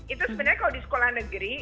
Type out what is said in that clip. itu sebenarnya kalau di sekolah negeri